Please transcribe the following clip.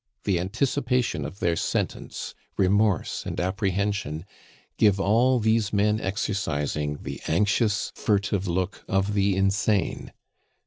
The anticipation of their sentence, remorse, and apprehension give all these men exercising, the anxious, furtive look of the insane.